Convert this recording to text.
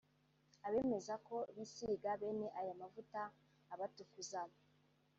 Abemeza ko bisiga bene aya mavuta abatukuza